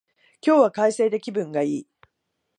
今日は快晴で気分がいい